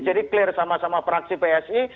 jadi clear sama sama fraksi psi